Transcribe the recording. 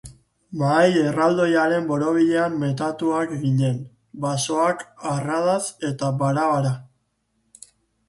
Mahai erraldoiaren borobilean metatuak ginen, basoak arradaz eta bara-bara.